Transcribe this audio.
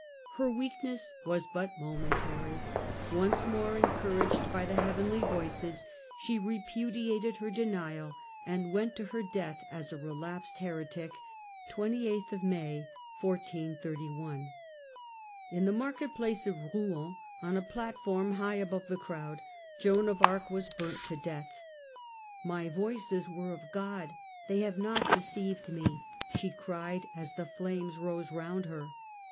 Her weakness was but momentary ; once more encour aged by the heavenly voices, she repudiated her denial and went to her death as a relapsed heretic. In the Death of 1 11 n Joan ot Market Place of Kouen, on a platform high above theArc, 28tii crowd, Joan of Arc was burnt to death. " My voices ^^^^^^^^ were of God, they have not deceived me," she cried as the flames rose round her.